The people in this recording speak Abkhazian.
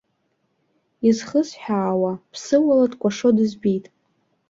Изхысҳәаауа, ԥсыуала дкәашо дызбеит.